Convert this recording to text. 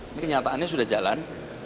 ini kenyataannya sudah jalan